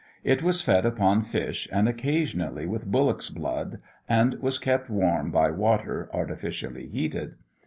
It was fed upon fish, and occasionally with bullock's blood, and was kept warm by water, artificially heated.